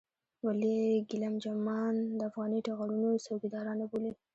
ولې ګېلم جمان د افغاني ټغرونو څوکيداران نه بولې.